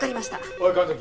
おい神崎。